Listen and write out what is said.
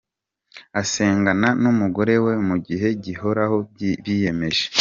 Asengana n’umugore we mu gihe gihoraho biyemeje.